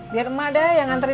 biar emak dah yang ngantri